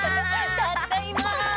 たっだいま！